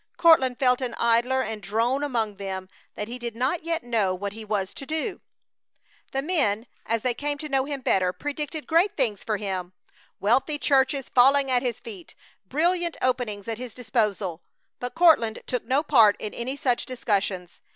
Courtland felt an idler and drone among them that he did not yet know what he was to do. The men, as they came to know him better, predicted great things for him: wealthy churches falling at his feet, brilliant openings at his disposal; but Courtland took no part in any such discussions.